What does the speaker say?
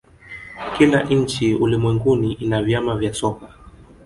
kila nchi ulimwenguni ina vyama vya soka